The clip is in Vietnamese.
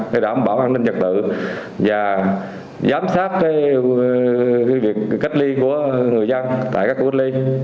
để đảm bảo an ninh trật tự và giám sát việc cách ly của người dân tại các khu cách ly